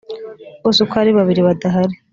bose uko ari babiri badahari